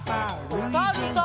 おさるさん。